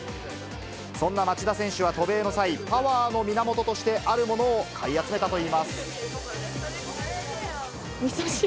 そんな町田選手は渡米の際、パワーの源として、あるものを買みそ汁。